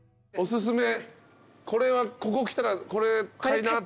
これはここ来たらこれ買いなっていう。